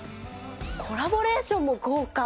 コラボレーションも豪華！